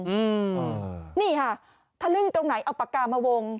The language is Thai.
อืมนี่ค่ะทะลึ่งตรงไหนเอาปากกามาวง